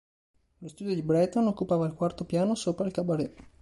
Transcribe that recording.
Lo studio di Breton occupava il quarto piano sopra il cabaret.